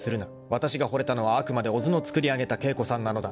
わたしがほれたのはあくまで小津の作り上げた景子さんなのだ］